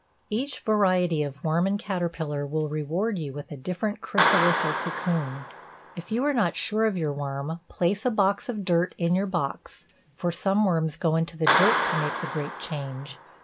Each variety of worm and caterpillar will reward you with a different chrysalis or cocoon. If you are not sure of your worm place a box of dirt in your box, for some worms go into the dirt to make the great change.